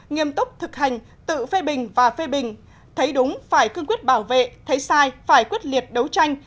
nghiêm túc thực hành tự phê bình và phê bình thấy đúng phải cương quyết bảo vệ thấy sai phải quyết liệt đấu tranh